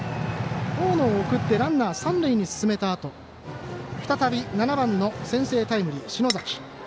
大野を送ってランナー、三塁に進めたあと再び７番の先制タイムリー、篠崎。